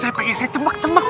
saya pengen saya cemak cemak